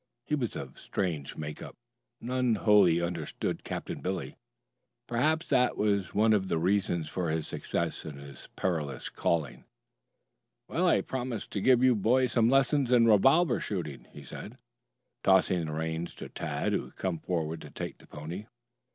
His was a strange make up. None wholly understood Captain Billy. Perhaps that was one of the reasons for his success in his perilous calling. "Well, I promised to give you boys some lessons in revolver shooting," he said, tossing the reins to Tad who had come forward to take the pony.